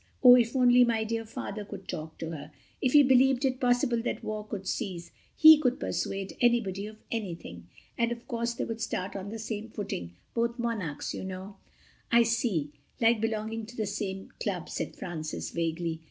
Oh, if only my dear Father could talk to her. If he believed it possible that war could cease ... he could persuade anybody of anything. And, of course, they would start on the same footing—both Monarchs, you know." "I see: like belonging to the same club," said Francis vaguely.